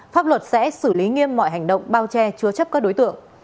pháp luật sẽ xử lý nghiêm mọi hành động bao che chứa chấp các đối tượng